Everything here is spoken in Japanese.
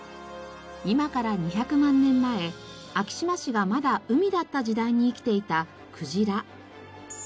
今から２００万年前昭島市がまだ海だった時代に生きていたクジラ。